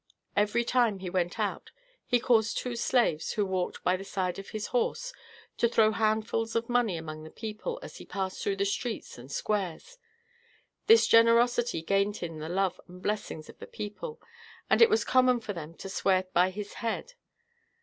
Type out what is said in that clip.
Every time he went out, he caused two slaves, who walked by the side of his horse, to throw handfuls of money among the people as he passed through the streets and squares. This generosity gained him the love and blessings of the people, and it was common for them to swear by his head.